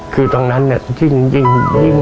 คือตรงนั้นเนี่ยยิ่ง